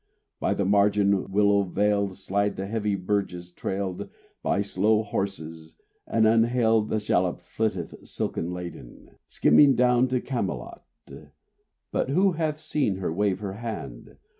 By the margin, willow veiled, Slide the heavy barges trailed By slow horses; and unhailed The shallop flitteth silken sailed Skimming down to Camelot: But who hath seen her wave her hand?